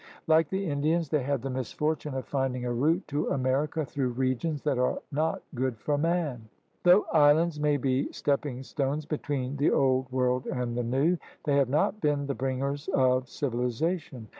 Like the Indians, they had the misfortune of finding a route to America through regions that are not good for man. Though islands may be stepping stones between the Old World and the New, they have not been the bringers of civilization.